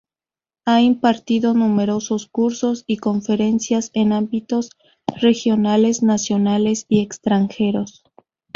Ha impartido numerosos cursos y conferencias, en ámbitos regionales, nacionales y extranjeros.